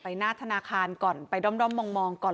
หน้าธนาคารก่อนไปด้อมมองก่อน